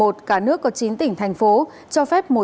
cả nước có chín tỉnh thành phố